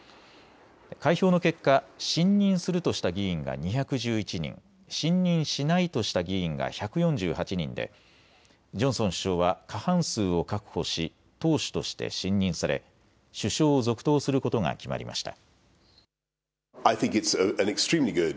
開票の結果、信任するとした議員が２１１人、信任しないとした議員が１４８人でジョンソン首相は過半数を確保し党首として信任され首相を続投することが決まりました。